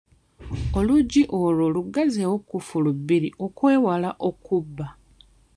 Oluggi olwo luggazzewo kkufulu bbiri okwewala okkubba.